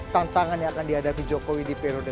tantangan yang akan dihadapi jokowi di periode